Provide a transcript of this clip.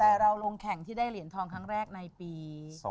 แต่เราลงแข่งที่ได้เหรียญทองครั้งแรกในปี๒๕๖